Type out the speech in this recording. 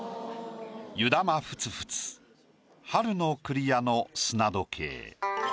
「湯玉ふつふつ春の厨の砂時計」。